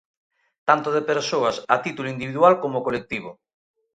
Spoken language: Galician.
Tanto de persoas a título individual como colectivo.